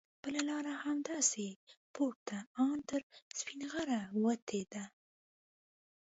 بله لاره همداسې پورته ان تر سپینغره وتې ده.